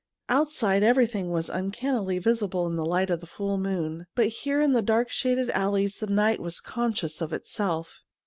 Outside everything was uncannily visible in the light of the full moon, but here in the dark shaded alleys the night was conscious of itself.